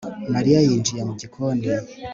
Mariya yinjiye mu gikoni